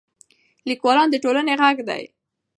لیکوالان د ټولنې ږغ دي.